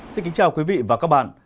xin kính chào quý vị và các bạn